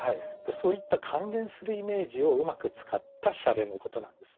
そういった関連するイメージをうまく使ったしゃれのことなんです。